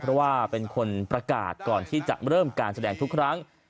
เพราะว่าเป็นคนประกาศก่อนที่จะเริ่มการแสดงทุกครั้ง